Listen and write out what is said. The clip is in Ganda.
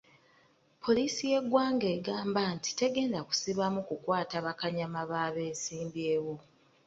Poliisi y'eggwanga egamba nti tegenda kusibamu kukwata bakanyama ba beesimbyewo .